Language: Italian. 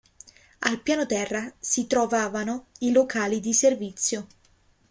Al piano terra si trovavano i locali di servizio.